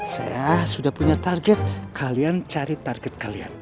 saya sudah punya target kalian cari target kalian